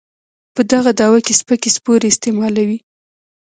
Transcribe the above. په دغه دعوه کې سپکې سپورې استعمالوي.